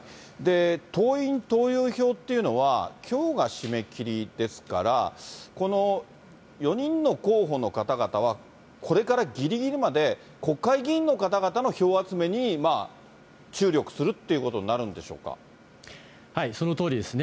党員党友票というのはきょうが締め切りですから、この４人の候補の方々は、これからぎりぎりまで国会議員の方々の票集めに注力するっていうそのとおりですね。